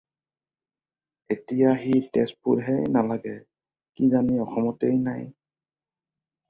এতিয়া সি তেজপুৰহে নালাগে, কি জানি অসমতেই নাই।